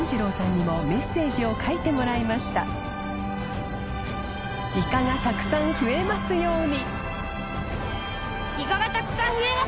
鵑砲メッセージを書いてもらいました礇ぅたくさん増えますように！！